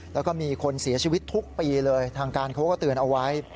แล้วก็มีคนเสียชีวิตทุกปีเลยทางการเขาก็เตือนเอาไว้